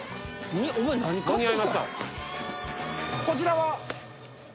こちらは？